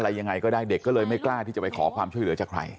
ยังไงก็ได้เด็กก็เลยไม่กล้าที่จะไปขอความช่วยเหลือจากใคร